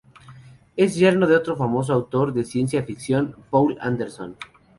Es yerno de otro famoso autor de ciencia ficción, Poul Anderson.